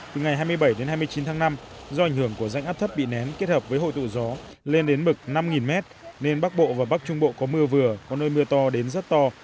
từ ngày hai mươi bảy đến hai mươi chín tháng năm do ảnh hưởng của rãnh áp thấp bị nén kết hợp với hội tụ gió lên đến mực năm m nên bắc bộ và bắc trung bộ có mưa vừa có nơi mưa to đến rất to